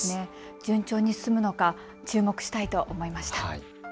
順調に進むのか注目したいと思いました。